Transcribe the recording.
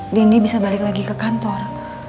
dan dia bisa balik lagi ke kantor